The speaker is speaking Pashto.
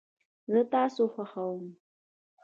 زه تاسو خوښوم